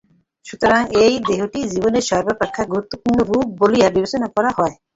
সুতরাং এই দেহটিকে জীবের সর্বাপেক্ষা গুরুত্বপূর্ণ রূপ বলিয়া বিবেচনা করা হয়।